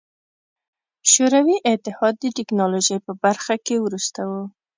شوروي اتحاد د ټکنالوژۍ په برخه کې وروسته و.